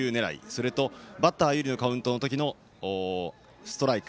それと、バッター有利のカウントの時のストライク